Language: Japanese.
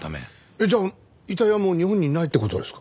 えっじゃあ遺体はもう日本にないって事ですか？